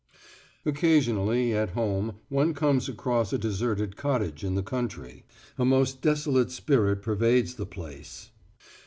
Occasionally, at home one comes across a deserted cottage in the country; a most desolate spirit pervades the place.